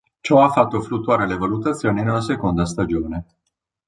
Ciò ha fatto fluttuare le valutazioni nella seconda stagione.